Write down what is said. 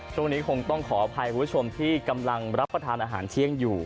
ช่วงนี้คงต้องขออภัยคุณผู้ชมที่กำลังรับประทานอาหารเที่ยงอยู่